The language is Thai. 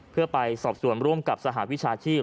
เพื่อไปสอบส่วนร่วมกับสหวิชาชีพ